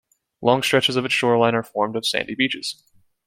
Long stretches of its shoreline are formed of sandy beaches.